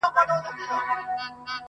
• چي پوره یې کړه د خپل سپي ارمانونه,